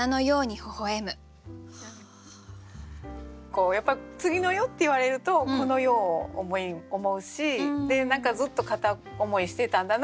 こうやっぱ「次の世」って言われるとこの世を思うし何かずっと片思いしてたんだなってことも分かる。